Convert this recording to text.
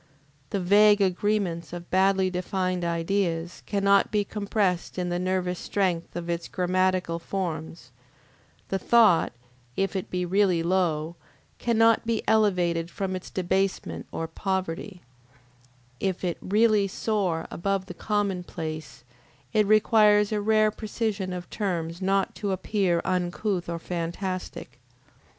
The vague agreements of badly defined ideas cannot be compressed in the nervous strength of its grammatical forms; the thought, if it be really low, cannot be elevated from its debasement or poverty; if it really soar above the commonplace, it requires a rare precision of terms not to appear uncouth or fantastic.